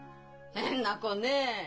変な子ねえ！